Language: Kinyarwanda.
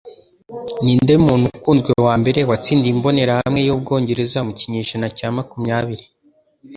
Ninde muntu ukuze wambere watsindiye imbonerahamwe yubwongereza mu kinyejana cya makumyabiri?